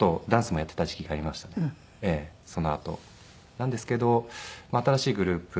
なんですけど新しいグループ